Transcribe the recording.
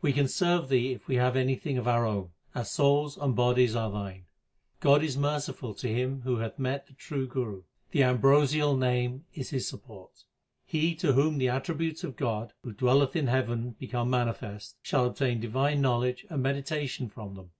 We can serve Thee if we have anything of our own ; our souls and bodies are Thine. God is merciful to him who hath met the true Guru ; the ambrosial Name is his support. He to whom the attributes of God, who dwelleth in heaven, become manifest, shall obtain divine knowledge and medita tion from them.